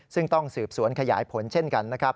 ซึ่งต้องสืบสวนขยายผลเช่นกันนะครับ